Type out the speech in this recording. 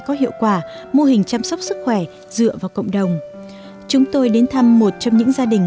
có hiệu quả đối với các bệnh viện